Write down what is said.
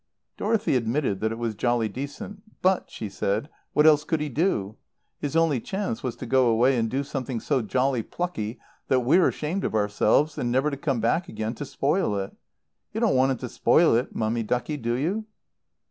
Dorothy admitted that it was jolly decent. "But," she said, "what else could he do? His only chance was to go away and do something so jolly plucky that we're ashamed of ourselves, and never to come back again to spoil it. You don't want him to spoil it, Mummy ducky, do you?"